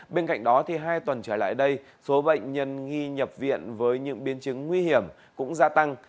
bên cạnh đó hai tuần trở lại đây số bệnh nhân nghi nhập viện với những biến chứng nguy hiểm cũng gia tăng